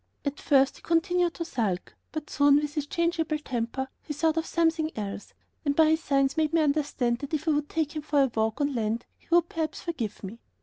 At first he continued to sulk, but soon, with his changeable temper, he thought of something else, and by his signs made me understand that if I would take him for a walk on land he would perhaps forgive me.